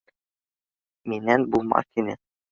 Минән булмаҫ ине